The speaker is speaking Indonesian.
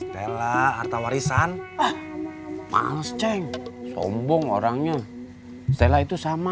kum di rumah kamu aja ya kum